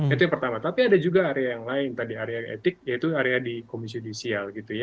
itu yang pertama tapi ada juga area yang lain tadi area etik yaitu area di komisi judisial gitu ya